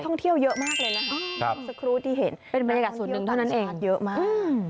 ท่องเที่ยวเยอะมากเลยนะครับสครูที่เห็นเป็นบรรยากาศศูนย์ตรงนั้นเองเยอะมาก